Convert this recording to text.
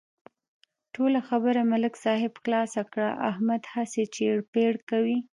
ټوله خبره ملک صاحب خلاصه کړله، احمد هسې چېړ پېړ کوي.